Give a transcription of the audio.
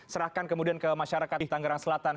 serahkan kemudian ke masyarakat di tangerang selatan